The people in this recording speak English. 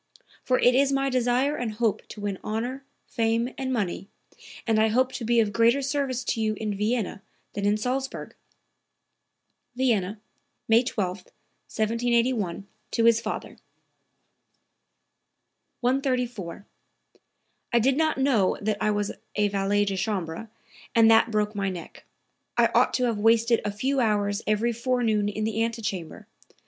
For it is my desire and hope to win honor, fame and money, and I hope to be of greater service to you in Vienna than in Salzburg." (Vienna, May 12, 1781, to his father.) 134. "I did not know that I was a valet de chambre, and that broke my neck. I ought to have wasted a few hours every forenoon in the antechamber.